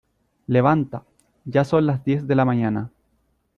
Levanta, ya son las diez de la mañana.